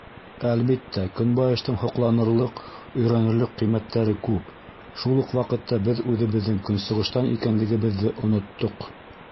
Әлбиттә, Көнбайыштың һоҡланырлыҡ, өйрәнерлек ҡиммәттәре күп; шул уҡ ваҡытта беҙ үҙебеҙҙең Көнсығыштан икәнлегебеҙҙе оноттоҡ.